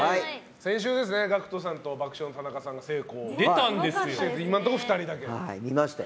先週ですね、ＧＡＣＫＴさんと爆笑問題の田中さんが見ましたよ。